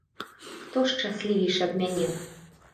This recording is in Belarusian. Хто шчаслівейшы ад мяне?